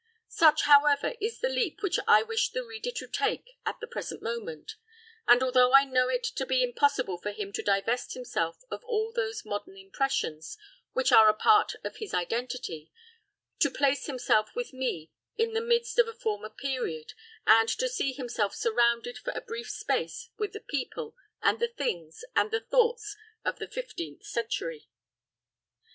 Such, however, is the leap which I wish the reader to take at the present moment; and although I know it to be impossible for him to divest himself of all those modern impressions which are a part of his identity to place himself with me in the midst of a former period, and to see himself surrounded for a brief space with the people, and the things, and the thoughts of the fifteenth century.